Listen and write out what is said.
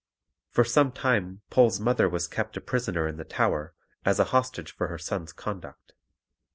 For some time Pole's mother was kept a prisoner in the Tower, as a hostage for her son's conduct.